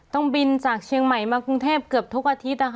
ต้องบินจากเชียงใหม่มากรุงเทพเกือบทุกอาทิตย์